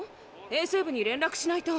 衛生部に連絡しないと。